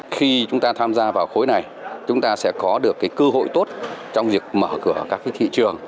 khi chúng ta tham gia vào khối này chúng ta sẽ có được cơ hội tốt trong việc mở cửa các thị trường